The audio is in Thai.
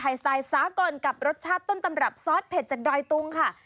สไตล์สากลกับรสชาติต้นตำรับซอสเผ็ดจากดอยตุงค่ะ